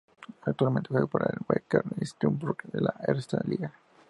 Actualmente juega para el Wacker Innsbruck de la Erste Liga.